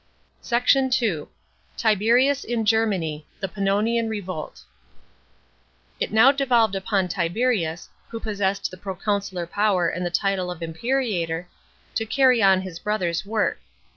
SECT. II. — TIBERIUS IN GERMANY. THE PANNONIAN REVOLT. § 7. It now devolved upon Tiberius, who possessed the pro consular power and the title of imperator, to carry on his brother's work.